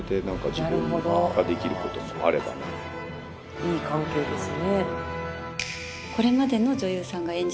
いい関係ですね。